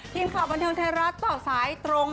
ทีมข่าวบันเทิงไทยรัฐต่อสายตรง